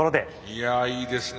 いやいいですね。